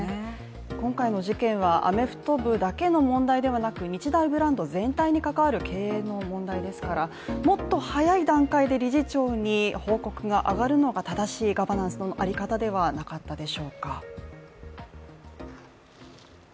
今回の事件はアメフト部だけの問題ではなく日大ブランド全体に関わる経営の問題ですからもっと早い段階で理事長に報告が上がるのが正しいガバナンスの在り方ではなかったでしょうか。